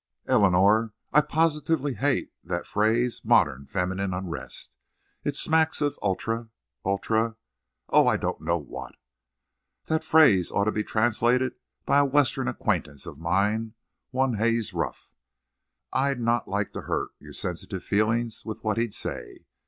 "Eleanor, I positively hate that phrase 'modern feminine unrest!' It smacks of ultra—ultra—Oh! I don't know what. That phrase ought to be translated by a Western acquaintance of mine—one Haze Ruff. I'd not like to hurt your sensitive feelings with what he'd say.